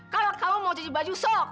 kalau kamu mau cuci baju sok